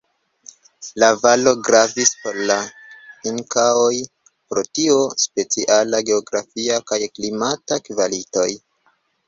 La valo gravis por la Inkaoj pro ties speciala geografia kaj klimata kvalitoj.